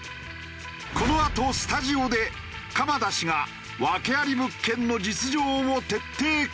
このあとスタジオで鎌田氏が訳あり物件の実情を徹底解説！